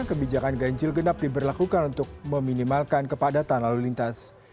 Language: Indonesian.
kebijakan ganjil genap diberlakukan untuk meminimalkan kepadatan lalu lintas